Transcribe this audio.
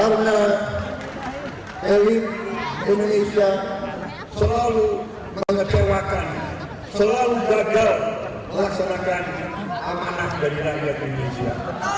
karena elit indonesia selalu mengecewakan selalu gagal melaksanakan amanah dan ilangnya indonesia